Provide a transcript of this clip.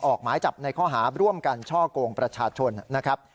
ออกหมายจับในข้อหาร่วมกันช่อกงประชาชนนะครับ